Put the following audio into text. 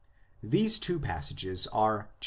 These two passages are iii.